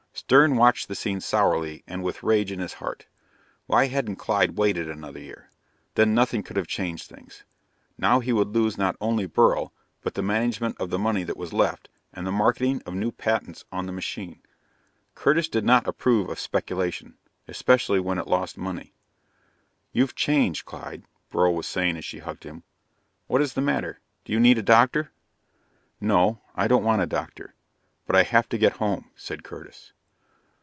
Stern watched the scene sourly and with rage in his heart. Why hadn't Clyde waited another year? Then nothing could have changed things. Now he would lose not only Beryl, but the management of the money that was left, and the marketing of new patents on the machine. Curtis did not approve of speculation, especially when it lost money. "You've changed, Clyde," Beryl was saying as she hugged him. "What is the matter do you need a doctor?" "No, I don't want a doctor, but I have to get home," said Curtis.